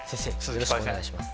よろしくお願いします。